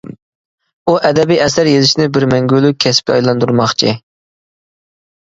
ئۇ ئەدەبىي ئەسەر يېزىشنى بىر مەڭگۈلۈك كەسىپكە ئايلاندۇرماقچى.